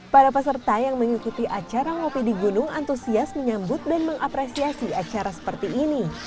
para peserta yang mengikuti acara ngopi di gunung antusias menyambut dan mengapresiasi acara seperti ini